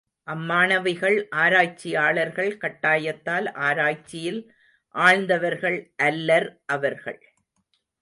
அம்மாணவிகள், ஆராய்ச்சியாளர்கள், கட்டாயத்தால் ஆராய்ச்சியில் ஆழ்ந்தவர்கள் அல்லர் அவர்கள்.